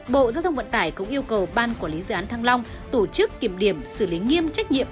bộ giao thông vận tải cũng yêu cầu ban quản lý dự án thăng long tổ chức kiểm điểm xử lý nghiêm trách nhiệm